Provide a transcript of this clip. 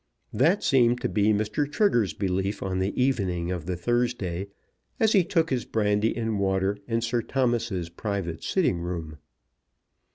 That seemed to be Mr. Trigger's belief on the evening of the Thursday, as he took his brandy and water in Sir Thomas's private sitting room.